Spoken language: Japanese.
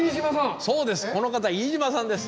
そうですこの方飯島さんです。